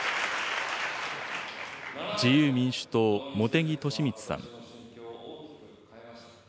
自由民主党、茂木敏充さん。